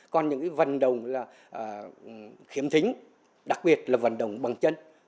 còn những vận động là khiếm thính đặc biệt là vận động bằng chân